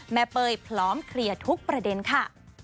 เป้ยพร้อมเคลียร์ทุกประเด็นค่ะ